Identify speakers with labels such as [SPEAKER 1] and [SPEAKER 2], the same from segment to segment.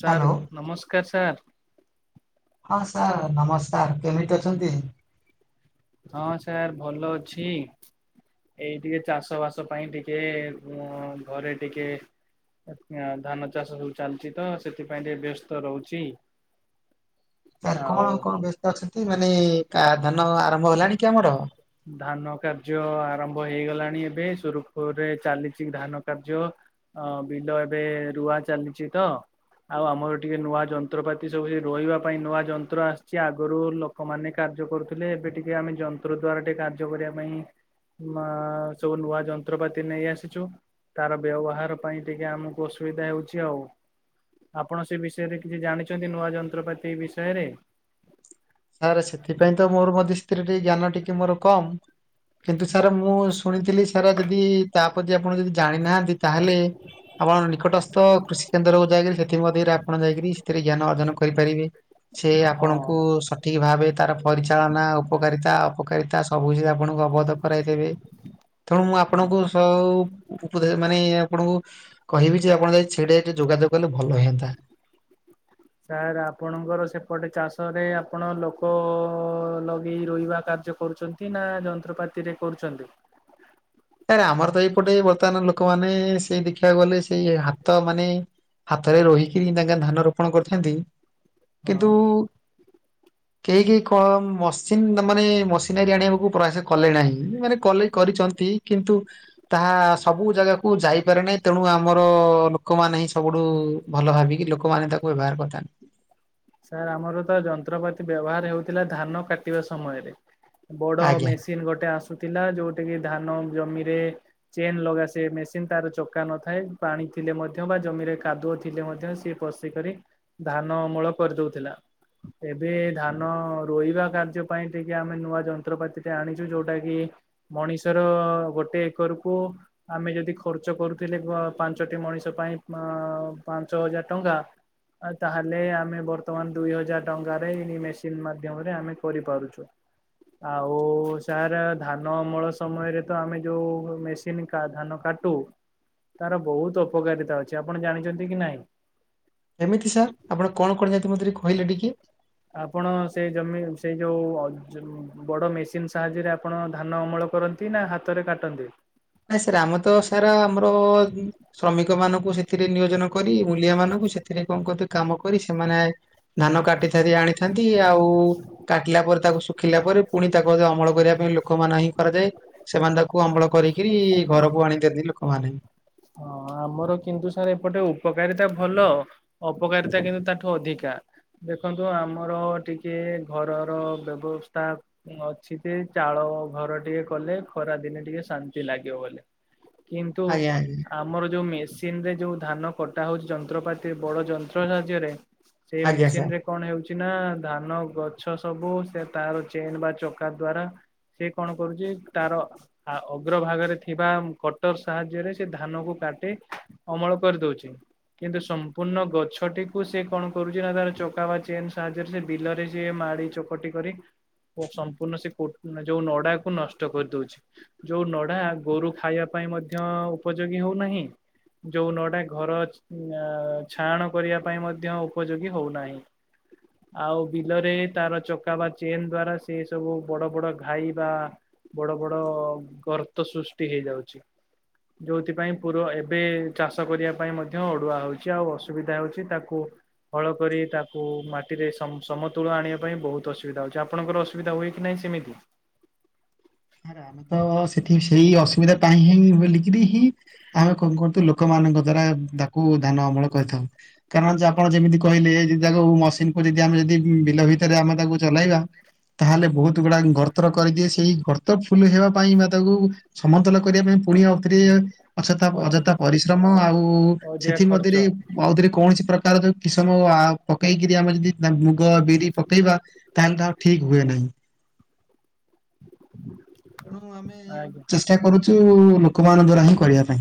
[SPEAKER 1] Sir
[SPEAKER 2] hello
[SPEAKER 1] ନମସ୍କାର sir.
[SPEAKER 2] ହଁ sir ନମସ୍କାର। କେମିତି ଅଛନ୍ତି?
[SPEAKER 1] ହଁ ସାର୍ ଭଲ ଅଛି। ଏଇ ଟିକିଏ ଚାଷ ବାସ ପାଇଁ ଟିକିଏ ମୁଁ ଘରେ ଟିକେ ଧାନ ଚାଷ ସବୁ ଚାଲିଚି ତ ସେଥିପାଇଁ ଟିକିଏ ବ୍ୟସ୍ତ ରହୁଚି। [inaudible]
[SPEAKER 2] ସାର୍ କଣ କଣ ବ୍ୟସ୍ତ ଅଛନ୍ତି ମାନେ କା ଧାନ ଆରମ୍ଭ ହେଲାଣି କି ଆମର?
[SPEAKER 1] ଧାନ କାର୍ଯ୍ୟ ଆରମ୍ଭ ହେଇଗଲାଣି ଏବେ ସୁରୁଖୁରୁରେ ଚାଲିଚି ଧାନ କାର୍ଯ୍ୟ। ହଁ ବିଲ ଏବେ ରୁଆ ଚାଲିଚି ତ ଆଉ ଆମର ଟିକିଏ ନୂଆ ଯନ୍ତ୍ରପାତି ସବୁ ରୋଇବାପାଇଁ ନୂଆ ଯନ୍ତ୍ର ଆସିଛି ଆଗରୁ ଲୋ ଲୋକମାନେ କାର୍ଯ୍ୟ କରୁଥିଲେ ଏବେ ଟିକିଏ ଆମେ ଯନ୍ତ୍ରଦ୍ଵାରା ଟିକିଏ କାର୍ଯ୍ୟ କରିବା ପାଇଁ ମାଆ ସବୁ ନୂଆ ଯନ୍ତ୍ରପାତି ନେଇ ଆସିଛୁ। ତାର ବ୍ୟବହାର ପାଇଁ ଟିକିଏ ଆମକୁ ଅସୁବିଧା ହେଉଚି ଆଉ ଆପଣ ସେ ବିଷୟରେ କିଛି ଜାଣିଚନ୍ତି ନୂଆ ଯନ୍ତ୍ରପାତି ବିଷୟରେ?
[SPEAKER 2] ସାର୍ ସେଥିପାଇଁ ତ ମୋର ମିସ୍ତ୍ରୀ ଟି ଜ୍ଞାନ ଟିକିଏ ମୋର କମ୍। କିନ୍ତୁ ସାର୍ ମୁଁ ଶୁଣିଥିଲି ସାରା ଯଦି ତା ପ୍ରତି ଆପଣ ଯଦି ଜାଣି ନାହାନ୍ତି ତାହେଲେ ଆପଣ ନିକଟସ୍ଥ କୃଷି କେନ୍ଦ୍ରକୁ ଯାଇକରି ସେଥିମଧ୍ୟରେ ଆପଣ ଯାଇକରି ସେଥିରେ ଜ୍ଞାନ ଅର୍ଜନ କରିପାରିବେ। ସେ
[SPEAKER 1] ହଁ।
[SPEAKER 2] ଆପଣଙ୍କୁ ସ ଠିକ୍ ଭାବେ ତାର ପରିଚାଳନା ଉପକାରିତା ଅପକାରିତା ସବୁସେ ଆପଣଙ୍କୁ ଅବଗତ କରାଇଦେବେ।
[SPEAKER 1] [inaudible]
[SPEAKER 2] ତେଣୁ ମୁଁ ଆପଣଙ୍କୁ ସ ଉପଦେ ମାନେ ଆପଣଙ୍କୁ କହିବି ଯେ ଆପଣ ଯଦି ଛିଡେଇଦେ ଯୋଗାଯୋଗ କଲେ ଭଲ ହେଏନ୍ତା।
[SPEAKER 1] ସାର୍ ଆପଣଙ୍କର ସେପଟେ ଚାଷରେ ଆପଣ ଲୋକ ଲଗେଇ ରୋଇବା କାର୍ଯ୍ୟ କରୁଚନ୍ତି? କି ନା ଯନ୍ତ୍ରପାତିରେ କରୁଚନ୍ତି?
[SPEAKER 2] ସାର୍ ଆମର ତ ଏଇପଟେ ବର୍ତ୍ତମାନ ଲୋକମାନେ ସେଇ ଦେଖିବାକୁ ଗଲେ ସେଇ ହାତ ମାନେ ହାତରେ ରୋହିକିରି ତାଙ୍କ ଧାନ ରୋପଣ କରିଚନ୍ତି।
[SPEAKER 1] ହଁ
[SPEAKER 2] କିନ୍ତୁ
[SPEAKER 1] [inaudible]
[SPEAKER 2] କେହି କେହି କ ମସିନ ମାନେ ମସିନାରୀ ଆଣିବାକୁ ପ୍ରୟାସ କଲେ ନାହିଁ। ମାନେ କଲେ କରିଚନ୍ତି। କିନ୍ତୁ ତାହା ସବୁ ଜାଗାକୁ ଯାଇପାରେ ନାହିଁ। ତେଣୁ ଆମର ଲୋକମାନେ ହିଁ ସବୁଠୁ ଭଲ ଭାବିକି ଲୋକମାନେ ତାକୁ ବ୍ୟବହାର କରିଥାନ୍ତି।
[SPEAKER 1] ସାର୍ ଆମର ତ ଯନ୍ତ୍ରପାତି ବ୍ୟବହାର ହୋଉଥିଲା ଧାନ କାଟିବା ସମୟରେ ବଡ
[SPEAKER 2] ଆଜ୍ଞା
[SPEAKER 1] ମେସି ଗୋଟେ ଆସୁଥିଲା ଯୋଉଟା କିି ଧାନ ଜମିରେ ଚେନ ଲଗା ସେ ମେସିନ ତାର ଚକା ନଥାଏ। ପାଣି ଥିଲେ ମଧ୍ୟ ବା ଜମିରେ କାଦୁଅ ଥିଲେ ମଧ୍ୟ ସେ ପସିକରି ଧାନ ଅମଳ କରିଦୋଉଥିଲା। ଏବେ ଧାନ ରୋଇବା କାର୍ଯ୍ୟ ପାଇଁ ଟିକିଏ ଆମେ ନୂଆ ଯନ୍ତ୍ରପାତିଟେ ଆଣିଚୁ ଯୋଉଟା କି ମଣିଷର ଗୋଟେ ଏକରକୁ ଆମେ ଯଦି ଖର୍ଚ୍ଚ କରୁଥିଲେ ଗା ପାଞ୍ଚଟି ମଣିଷ ପାଇଁ ଆ ପାଞ୍ଚ ହଜାର ଟଙ୍କା ଆ ତାହେଲେ ଆମେ ବର୍ତ୍ତମାନ ଦୁଇ ହଜାର ଟଙ୍କାରେ ଏଇ ମେସିନ ମାଧ୍ୟମରେ ଆମେ କରିପାରୁଚୁ। ଆଉ ସାର୍ ଧାନ ଅମଳ ସମୟରେ ତ ଆମେ ଯୋଉ ମେଶ୍ କା ଧାନ କାଟୁ ତାର ବହୁତ ଅପକାରିତା ଅଛି ଆପଣ ଜାଣିଛନ୍ତି କି ନାହିଁ?
[SPEAKER 2] କେମିତି ସାର୍? ଆପଣ କଣ କଣ କରିଛନ୍ତି ମତେ କହିଲେ ଟିକେ।
[SPEAKER 1] ଆପଣ ସେ ଜମି ସେ ଯେଉଁ ଜ ବଡ଼ ମେସିନ୍ ସାହାଯ୍ୟରେ ଆପଣ ଧାନ ଅମଳ କରନ୍ତି? କି ନା ହାତରେ କାଟନ୍ତି?
[SPEAKER 2] ନାଇଁ ସାର୍ ଆମେ ତ ଆମର ତ ସାର୍ ଆମର ଶ୍ରମିକ ମାନଙ୍କୁ ସେଥିରେ ନିୟୋଜନ କରି ମୁଲିଆ ମାନଙ୍କୁ ସେଥିରେ କଣ କଅତି କାମ କରି ସେମାନେ ଧାନ କାଟିସାରି ଆଣିଥାନ୍ତି। ଆଉ କାଟିଲା ପରେ ତାକୁ ଶୁ ରଖିଲା ପରେ ପୁଣି ତାକୁ ଅମଳ କରିବା ପାଇଁ ଲୋକମାନେ ହିଁ କରାଯାଏ। ସେମାନେ ତାକୁ ଅମଳ କରି ଇ ଘରକୁ ଆଣିଦିଅନ୍ତି ଲୋକମାନେ।
[SPEAKER 1] ହଁ ଆମର କିନ୍ତୁ ସାର୍ ଏପଟେ ଉପକାରିତା ଭଲ। ଅପକାରିତା କିନ୍ତୁ ତାଠୁ ଅଧିକା। ଦେଖନ୍ତୁ ଆମର ଟିକେ ଘରର ବ୍ୟବସ୍ଥା ଅଛି ତେ ଚାଳ ଘର ଟିକେ କଲେ ଖରା ଦିନେ ଟିକେ ଶାନ୍ତି ଲାଗିବ। କିନ୍ତୁ
[SPEAKER 2] ଆଜ୍ଞା ଆଜ୍ଞା
[SPEAKER 1] ଆମର ଯୋଉ ମେସିନ ରେ ଯୋଉ ଧାନ କଟା ହଉଛି ଯନ୍ତ୍ରପାତି ବଡ ଯନ୍ତ୍ର ସାହାଯ୍ୟରେ ସେଇ
[SPEAKER 2] ଆଜ୍ଞା ସାର୍
[SPEAKER 1] ମେସିନ ରେ କଣ ହଉଛି ନା ଧାନ ଗଛ ସବୁ ସେ ତାର ଚେନ ବା ଚକା ଦ୍ଵାରା ସେ କଣ କରୁଛି ତାର ଆ ଅଗ୍ରଭାଗରେ ଥିବା କଟର୍ ସାହାଯ୍ୟରେ ସେ ଧାନ କୁ କାଟି ଅମଳ କରିଦଉଛି। କିନ୍ତୁ ସମ୍ପୂର୍ଣ୍ଣ ଗଛଟିକୁ ସେ କଣ କରୁଛି ନା ତାର ଚକା ବା ଚେନ୍ ସାହାଯ୍ୟରେ ସେ ବିଲରେ ସିଏ ମାଡି ଚକଟି କରି ସମ୍ପୂର୍ଣ୍ଣ ସେ ପୋ ଯୋଉ ନଡାକୁ ନଷ୍ଟ କରିଦଉଛି। ଯୋଉ ନଡା ଗୋରୁ ଖାଇବା ପାଇଁ ମଧ୍ୟ ଉପଯୋଗୀ ହଉନାହିଁ। ଯୋଉ ନଡା ଘର ଚ ଛାଆଣ କରିବା ପାଇଁ ମଧ୍ୟ ଉପଯୋଗୀ ହଉନାହିଁ। ଆଉ ବିଲରେ ତାର ଚକା ବା ଚେନ୍ ଦ୍ଵାରା ସେ ସବୁ ବଡ ବଡ ଘାଇ ବା ବଡ ବଡ ଗର୍ତ ସୃଷ୍ଟି ହେଇଯାଉଛି। ଯୋଉଥିପାଇଁ ପୁର ଏବେ ଚାଷ କରିବା ପାଇଁ ମଧ୍ୟ ଅଡୁଆ ହଉଛି ଆଉ ଅସୁବିଧା ହଉଛି। ତାକୁ ହଳ କରି ତାକୁ ମାଟିରେ ସମ ସମତୁଳ ଆଣିବା ପାଇଁ ବହୁତ ଅସୁବିଧା ହଉଛି। ଆଣଙ୍କର ସୁବିଧା ହୁଏ କି ନାହିଁ ସେମିତି?
[SPEAKER 2] ସାର୍ ଆମେ ତ ସେଠି ସେଇ ଅସୁବିଧା ପାଇଁ ହିଁ ବୋଲିକିରି ହିଁ ଆମେ କଣ କରୁଥିଲୁ ଲୋକମାନଙ୍କ ଦ୍ଵାରା ତାକୁ ଧାନ ଅମଳ କରିଥାଉ। କାରଣ ଆପଣ ଯେମିତି କହିଲେ ଯି ତାକୁ ମସିନକୁ ଯଦି ଆମେ ଯଦି ବିଲ ଭିତରେ ଆମେ ତାକୁ ଚଲାଇବା ତାହେଲେ ବହୁତ ଗୁଡାକ ଗର୍ତର କରିଦିଏ। ସେଇ ଗ ତ ଫୁଲ୍ ହେବା ପାଇଁ ମା ତାକୁ ସମତଲ କରିବା ପାଇଁ ପୁଣି ଆଉ ଥରେ ଅଯଥା
[SPEAKER 1] ଅଧି
[SPEAKER 2] ଅଯଥା ପରିଶ୍ରମ ଆଉ
[SPEAKER 1] ଅଧିକା ଖର୍ଚ୍ଚ
[SPEAKER 2] ସେଥିମଧ୍ୟରେ ଆଉଥରେ କୌଣସି ପ୍ରକାର ଯୋଉ କି ସମୟ ଆ ପକେଇକିରି ଆମେ ଯଦି ମୁଗ, ବିରି ପକେଇବା ତାହେଲେ ତାଉ ଠିକ୍ ହୁଏ ନାହିଁ। ତେଣୁ ଆମେ
[SPEAKER 1] ଆଜ୍ଞା।
[SPEAKER 2] ଚେଷ୍ଟା କରୁଛୁ ଲୋକମାନ ଦ୍ଵାରା ହିଁ କରିବା ପାଇଁ।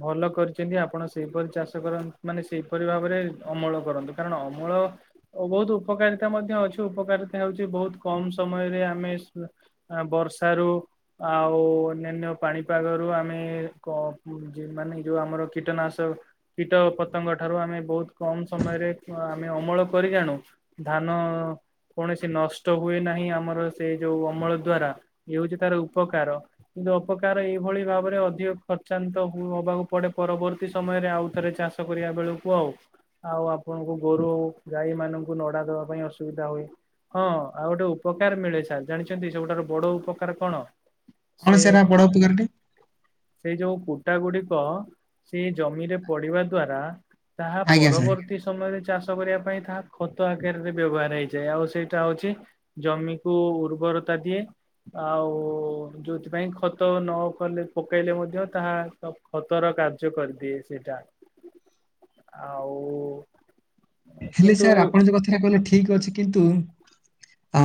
[SPEAKER 1] ଭଲ କରିଛନ୍ତି ଆପଣ ସେଇପରି ଚାଷ କରନ୍ ମାନେ ସେଇପରି ଭାବରେ ଅମଳ କରନ୍ତି। କାରଣ ଅମଳ ଓ ବହୁତ ଉପକାରିତା ମଧ୍ୟ ଅଛି। ଉପକାରିତା ହଉଛି ବହୁତ କମ୍ ସମୟରେ ଆମେ ବର୍ଷାରୁ ଆଉ ଅନ୍ୟାନ୍ୟ ପାଣିପାଗରୁ ଆମେ କ ଉଁ ଯେ ମାନେ ଯୋଉ ଆମର କୀଟନାଶ କୀଟ ପତଙ୍ଗ ଠାରୁ ଆମେ ବହୁତ କମ୍ ସମୟରେ ଆମେ ଅମଳ କରି ଜାଣୁ। ଧାନ କୌଣସି ନଷ୍ଟ ହୁଏ ନାହିଁ, ଆମର ସେ ଯୋଉ ଅମଳ ଦ୍ଵାରା ଏ ହଉଛି ତାର ଉପକାର। ଅପକାର ଏଇଭଳି ଭାବରେ ଅଧିକ ଖର୍ଚ୍ଚ ନ୍ତ ହବାକୁ ପଡେ ପରବର୍ତ୍ତୀ ସମୟରେ ଆଉ ଥରେ ଚାଷ କରିବା ବେଳକୁ ଆଉ। ଆଉ ଆପଣଙ୍କୁ ଗୋରୁ-ଗାଈ ମାନଙ୍କୁ ନଡା ଦବା ପାଇଁ ଅସୁବିଧା ହୁଏ। ହଁ, ଆଉ ଗୋଟେ ଉପକାର ମିଳେ, ସାର୍, ଜାଣିଛନ୍ତି ସବୁ ଠାରୁ ବଡ ଉପକାର କଣ?
[SPEAKER 2] କଣ ସେ ପଢୁ ଗେ [unintelligible]
[SPEAKER 1] ସେଇ ଯୋଉ କୁଟା ଗୁଡିକ ସେଇ ଜମିରେ ପଡିବା ଦ୍ଵାରା ତାହା
[SPEAKER 2] ଆଜ୍ଞା ସାର୍
[SPEAKER 1] ପରବର୍ତ୍ତୀ ସମୟରେ ଚାଷ କରିବା ପାଇଁ ତାହା ଖତ ଆକାରରେ ବ୍ୟବହାର ହେଇଯାଏ। ଆଉ ସେଇଟା ହଉଛି ଜମିକୁ ଉର୍ବରତା ଦିଏ। ଆଉ ଯୋଉଥିପାଇଁ ଖତ ନ କଲେ ପକେଇଲେ ମଧ୍ୟ ତାହା ସ ଖତର କାର୍ଯ୍ୟ କରିଦିଏ ସେଇଟା। ଆଉ
[SPEAKER 2] ହେଲେ
[SPEAKER 1] କିନ୍ତୁ
[SPEAKER 2] ସାର୍, ଆପଣ ଯଉ କଥାଟା କହିଲେ ଠିକ ଅଛି କିନ୍ତୁ ଅ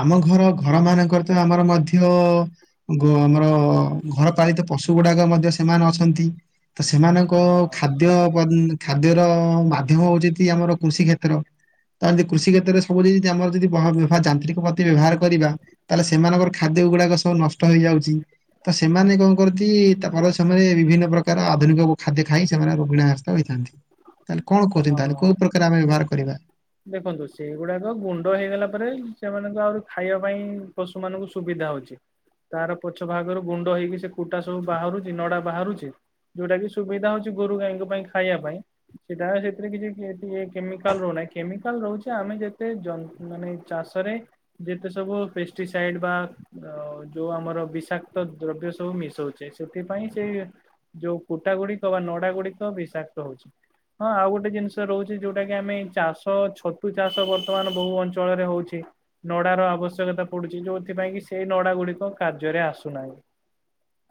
[SPEAKER 2] ଆମ ଘର ଘର ମାନଙ୍କର ତ ଆମର ମଧ୍ୟ ଗୋ ଆମର ଘର ପାଳିତ ପଶୁ ଗୁଡାକ ମଧ୍ୟ ସେମାନେ ଅଛନ୍ତି। ତ ସେମାନଙ୍କ
[SPEAKER 1] ହଁ
[SPEAKER 2] ଖାଦ୍ୟ ବନ୍ ଖାଦ୍ୟର ମାଧ୍ୟମ ହଉଛେନ୍ତି ଆମର କୃଷି କ୍ଷେତ୍ର, ତ ଦି କୃଷି କ୍ଷେତ୍ରରେ ସବୁ ଯଦି ଆମର ଯଦି ବ ଯାନ୍ତ୍ରିକ ପାତୀ ବ୍ୟବହାର କରିବା ତାହେଲେ ସେମାନଙ୍କର ଖାଦ୍ୟ ଗୁଡାକ ସବୁ ନଷ୍ଟ ହେଇଯାଉଛି। ତ ସେମାନେ କଣ କରନ୍ତି ତାଙ୍କର ସେମାନେ ବିଭିନ୍ନ ପ୍ରକାର ଆଧୁନିକକୁ ଖାଦ୍ୟ ଖାଇ ସେମାନେ ରୋଗିଣା ଆସ କହିଥାନ୍ତି। ତାହେଲେ କଣ କହୁଛନ୍ତି
[SPEAKER 1] ହଁ
[SPEAKER 2] ତାହେଲେ କୋଉ ପ୍ରକାର ଆମେ ବ୍ୟବହାର କରିବା?
[SPEAKER 1] ଦେଖନ୍ତୁ, ସେଇଗୁଡାକ ଗୁଣ୍ଡ ହେଇଗଲା ପରେ ସେମାନଙ୍କ ଆହୁରି ଖାଇବା ପାଇଁ ପଶୁ ମାନଙ୍କୁ ସୁବିଧା ହଉଛି। ତାର ପଛ ଭାଗରୁ ଗୁଣ୍ଡ ହେଇକି ସେ କୁଟା ସବୁ ବାହାରୁଛି ନଡା ବାହାରୁଛି। ଯୋଉଟା କି ସୁବିଧା ହଉଛି ଗୋରୁ-ଗାଈଙ୍କ ପାଇଁ ଖାଇବା ପାଇଁ। ସିଧା ସେଥିରେ କିଛି କି କେମିକାଲ ରହୁନାହିଁ। କେମିକାଲ ରହୁଛେ, ଆମେ ଯେତେ ଜନ୍ତ୍ ମାନେ ଚାଷରେ ଯେତେ ସବୁ ପେଷ୍ଟିସାଇଡ ବା ଆ ଯୋଉ ଆମର ବିଷାକ୍ତ ଦ୍ରବ୍ୟ ସବୁ ମିଶାଉଛେ, ସେଥିପାଇଁ ସେ ଯୋଉ କୁଟା ଗୁଡିକ ବା ନଡା ଗୁଡିକ ବିଷାକ୍ତ ହଉଛି। ହଁ, ଆଉ ଗୋଟେ ଜିନିଷ ରହୁଛି ଯୋଉଟା କି ଆମେ ଚାଷ ତ ଛତୁ ଚାଷ ବର୍ତ୍ତମାନ ବହୁ ଅଞ୍ଚଳରେ ହଉଛି। ନଡାର ଆବଶ୍ୟକତା ପଡୁଛି, ଯୋଉଥିପାଇଁ କି ସେଇ ନଡା ଗୁଡିକ କାର୍ଯ୍ୟରେ ଆସୁନାହିଁ।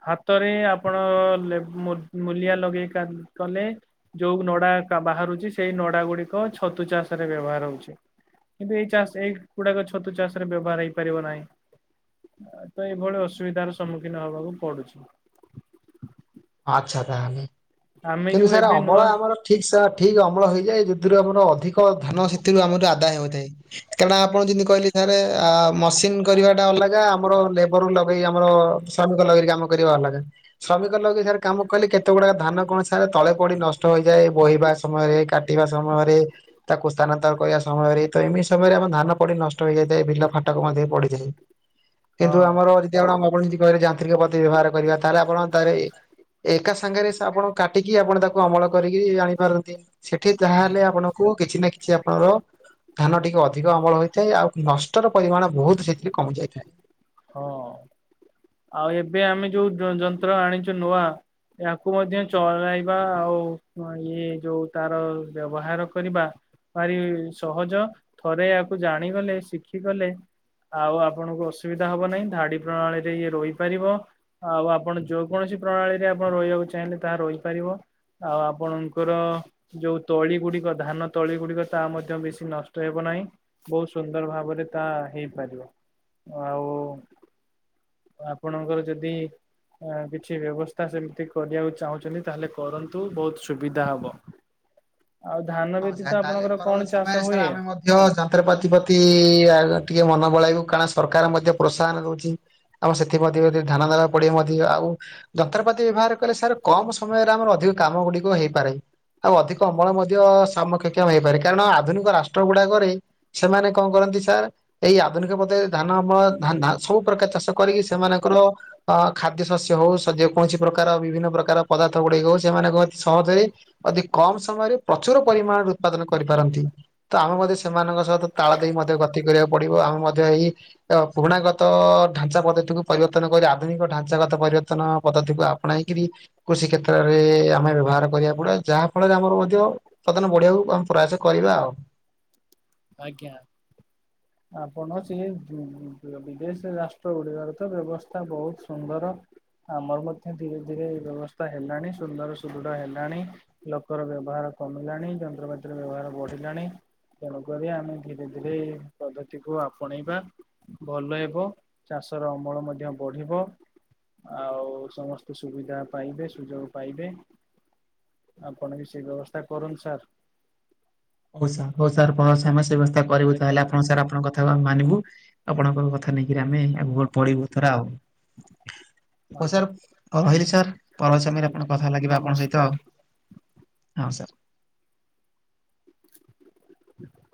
[SPEAKER 1] ହାତରେ ଆପଣ ଲେବ୍ ମୂ ମୂଲିଆ ଲଗେଇ କା କଲେ ଯୋଉ ନଡା କା ବାହାରୁଛି, ସେଇ ନଡା ଗୁଡିକ ଛତୁ ଚାଷ ରେ ବ୍ୟବହାର ହଉଛି, କିନ୍ତୁ ଏଇ ଚାଷ ଏଇଗୁଡାକ ଛତୁ ଚାଷ ରେ ବ୍ୟବହାର ହେଇପାରିବ ନାହିଁ। ତ ଏଇଭଳି ଅସୁବିଧାର ସମ୍ମୁଖୀନ ହବାକୁ ପଡୁଛି।
[SPEAKER 2] ଆଚ୍ଛା ତାହେଲେ।
[SPEAKER 1] ଆମେ
[SPEAKER 2] କିନ୍ତୁ
[SPEAKER 1] ଯୋଉ
[SPEAKER 2] ସାର୍
[SPEAKER 1] ଏବେ
[SPEAKER 2] ଅମଳ
[SPEAKER 1] ନୂଆ
[SPEAKER 2] ଆମର ରେ ବ୍ୟବହାର ହଉଛି କିନ୍ତୁ ଏଇ ଚାଷ ଏଇଗୁଡାକ ଛତୁ ଚାଷ ରେ ବ୍ୟବହାର ହେଇପାରିବ ନାହିଁ। କାରଣ ଆପଣ ଯେମିତି କହିଲେ, ସାରେ ମସିନ କରିବା ଟା ଅଲଗା, ଆମର ଲେବର ଲଗେଇ ଆମର ଶ୍ରମିକ ଲଗରୀ କାମ କରିବା ଅଲଗା। ଶ୍ରମିକ ଲଗେଇ ସାରେ କାମ କଲେ କେତେ ଗୁଡାକ ଧାନ କୌଣସି ସ ତଳେ ପଡି ନଷ୍ଟ ହେଇଯାଏ ବୋହିବା ସମୟରେ, କାଟିବା ସମୟରେ। ତାକୁ ସ୍ଥାନାନ୍ତର କରିବା ସମୟରେ ତ ଏମିତି ସମୟରେ ଆମ ଧାନ ପଡି ନଷ୍ଟ ହେଯାଇଥାଏ, ବିଲ ଫାଟକୁ ମଧ୍ୟ ପଡିଥାଏ।
[SPEAKER 1] ହଁ
[SPEAKER 2] କିନ୍ତୁ ଆମର ଜି ଯଦି ଆପଣ ଯେମିତି କହିବେ ଯାନ୍ତ୍ରିକ ପତି ବ୍ୟବହାର କରିବା। ତାହେଲେ ଆପଣ ତାପରେ ଏକା ସାଙ୍ଗରେ ସ୍ରାବଣ କାଟିକି ଆପଣ ତାକୁ ଅମଳ କରିକି ଆଣିପାରନ୍ତି। ସେଠି ଯାହାହେଲେ ଆପଣଙ୍କୁ କିଛି ନା କିଛି ଆପଣଙ୍କର ଧାନ ଟିକେ ଅଧିକ ଅମଳ ହୋଇଥାଏ ଆଉ ନଷ୍ଟର ପରିମାଣ ବହୁତ ସେଥିରେ କମିଯାଇଥାଏ।
[SPEAKER 1] ହଁ। ଆଉ ଏବେ ଆମେ ଯୋଉ ଯ ଯନ୍ତ୍ର ଆଣିଛୁ ନୂଆ ୟାକୁ ମଧ୍ୟ ଚଳାଇବା ଆଉ ଇଏ ଯୋଉ ତାର ବ୍ୟବହାର କରିବା ଭାରି ସହଜ। ଥରେ ୟାକୁ ଜାଣିଗଲେ ଶିଖିଗଲେ ଆଉ ଆପଣଙ୍କୁ ଅସୁବିଧା ହବ ନାହିଁ। ଧାଡି ପ୍ରଣାଳୀ ଇଏ ରୋଇପାରିବ ଆଉ ଆପଣ ଯୋଉ କୌଣସି ପ୍ରଣାଳୀରେ ଆପଣ ରୋଇବାକୁ ଚାହିଁଲେ ତାହା ରୋଇପରିବ। ଆଉ ଆପଣଙ୍କର ଯୋଉ ତଳି ଗୁଡିକ ଧାନ ତଳି ଗୁଡିକ ତା ମଧ୍ୟ ବେଶୀ ନଷ୍ଟ ହେବ ନାହିଁ। ବହୁତ ସୁନ୍ଦର ଭାବରେ ତା ହେଇପାରିବ। ଆଉ ଆପଣଙ୍କର ଯଦି ଅଁ କିଛି ବ୍ୟବସ୍ଥା ସେମିତି କରିବାକୁ ଚାହୁଁଛନ୍ତି ତାହେଲେ କରନ୍ତୁ ବହୁତ ସୁବିଧା ହବ। ଆଉ ଧାନ
[SPEAKER 2] ହଁ ସାର୍
[SPEAKER 1] ବ୍ୟତିତ
[SPEAKER 2] ତାହେଲେ
[SPEAKER 1] ଆପଣଙ୍କର
[SPEAKER 2] ପରବର୍ତ୍ତୀ
[SPEAKER 1] କଣ
[SPEAKER 2] ସମୟରେ
[SPEAKER 1] ଚାଷ ହୁଏ?
[SPEAKER 2] [unintelligible] ଯନ୍ତ୍ରପାତି ପ୍ରତି ଆ ଟିକେ ମନ ବଳାଇବ କାରଣ ସରକାର ମଧ୍ୟ ପ୍ରୋତ୍ସାହନ ଦଉଛି। ଆଉ ସେଥି ପ୍ରତି ମଧ୍ୟ ଧ୍ୟାନ ଦେବାକୁ ପଡିବ ମଧ୍ୟ ଆଉ ଯନ୍ତ୍ରପାତି ବ୍ୟବହାର କଲେ ସାର୍ କମ ସମୟରେ ଆମର ଅଧିକ କାମ ଗୁଡିକ ହେଇପାରେ। ଆଉ ଅଧିକ ଅମଳ ମଧ୍ୟ ସମକକ୍ଷ ହେଇପାରେ। କାରଣ ଆଧୁନିକ ରାଷ୍ଟ୍ର ଗୁଡାକରେ ସେମାନେ କଣ କରନ୍ତି ସାର୍ ଏଇ ଆଧୁନିକ ପଦ୍ଧତିରେ ଧାନ ଅମଳ ଧାନ ଧା ସବୁ ପ୍ରକାର ଚାଷ କରିକି ସେମାନଙ୍କର ଅ ଖାଦ୍ୟ ଶସ୍ୟ ହଉ ସ ଯେ କୌଣସି ପ୍ରକାର ବିଭିନ୍ନ ପ୍ରକାର ପଦାର୍ଥ ଗୁଡିକ ହଉ ସେମାନଙ୍କ ଅତି ସହଜରେ ଅଧିକ କମ ସମୟରେ ପ୍ରଚୁର ପରିମାଣରେ ଉତ୍ପାଦନ କରିପାରନ୍ତି। ତ ଆମେ ମଧ୍ୟ ସେମାନଙ୍କ ସହିତ ତାଳ ଦେଇ ମଧ୍ୟ ଗତି କରିବାକୁ ପଡିବ ଆମେ ମଧ୍ୟ ଏଇ ଓ ପୁରୁଣାଗତ ଢାଞ୍ଚା ପଦ୍ଧତିକୁ ପରିବର୍ତ୍ତନ କରି ଆଧୁନିକ ଢାଞ୍ଚାଗତ ପରିବର୍ତ୍ତନ ପଦ୍ଧତିକୁ ଆ ଆପଣେଇକିରି କୃଷି କ୍ଷେତ୍ରରେ ଆମେ ବ୍ୟବହାର କରିବାକୁ ପଡିବ। ଯାହା ଫଳରେ ଆମର ମଧ୍ୟ ଉତ୍ପାଦନ ବଢେଇଆକୁ ଆମେ ପ୍ରୟାସ କରିବା ଆଉ।
[SPEAKER 1] ଆଜ୍ଞା। ଆପଣ ସେ ବି ବିଦେଶ ରାଷ୍ଟ୍ର ଗୁଡିକରେ ତ ବ୍ୟବସ୍ଥା ବହୁତ ସୁନ୍ଦର। ଆମର ମଧ୍ୟ ଧୀରେ ଧୀରେ ବ୍ୟବସ୍ଥା ହେଲାଣି। ସୁନ୍ଦର ସୁଦୃଢ ହେଲାଣି। ଲୋକର ବ୍ୟବହାର କମିଲାଣି। ଯନ୍ତ୍ରପାତିର ବ୍ୟବହାର ବଢିଲାଣି। ବଢିଆ ଆମେ ଧୀରେ ଧୀରେ ଏ ପଦ୍ଧତିକୁ ଆପଣେଇବା। ଭଲ ହେବ। ଚାଷ ର ଅମଳ ମଧ୍ୟ ବଢିବ। ଆଉ ସମସ୍ତେ ସୁବିଧା ପାଇବେ, ସୁଯୋଗ ପାଇବେ। ଆପଣ ବି ସେଇ ବ୍ୟବସ୍ଥା କରନ୍ତୁ ସାର୍।
[SPEAKER 2] ହଉ ସାର୍ ହଉ ସାର୍ ପରେ ସେ ଆମେ ସେ ବ୍ୟବସ୍ଥା କରିବୁ
[SPEAKER 1] ଆଜ୍ଞା
[SPEAKER 2] ତାହେଲେ ଆପଣ ସାର୍ ଆପଣଙ୍କ କଥା ହଉ ଆମେ ମାନିବୁ। ଆପଣଙ୍କର କଥା ନେଇକିରି ଆମେ ଆଗକୁ ବଢ଼ିବୁ ଏଥର ଆଉ। ହଉ
[SPEAKER 1] ଆଜ୍ଞା
[SPEAKER 2] ସାର୍ ଆଉ ରହିଲି ସାର୍। ପର ସମୟରେ
[SPEAKER 1] ଆଜ୍ଞା
[SPEAKER 2] ଆପଣ କଥା ଲାଗିବ ଆପଣଙ୍କ ସହିତ
[SPEAKER 1] ନମସ୍କାର।
[SPEAKER 2] ଆଉ। ହଁ ସାର୍।